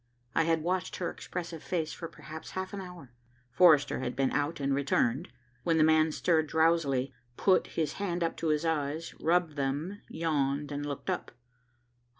I had watched her expressive face for perhaps half an hour, Forrester had been out and returned, when the man stirred drowsily, put up his hand to his eyes, rubbed them, yawned and looked up.